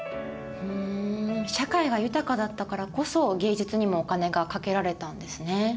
社会が豊かだったからこそ芸術にもお金がかけられたんですね。